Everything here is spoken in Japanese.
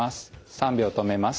３秒止めます。